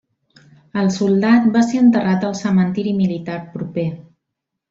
El soldat va ser enterrat al cementiri militar proper.